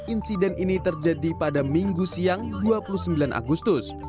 insiden ini terjadi pada minggu siang dua puluh sembilan agustus